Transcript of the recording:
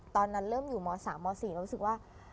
ตอนนั้นเริ่มอยู่ม๓ม๔เรารู้สึกว่า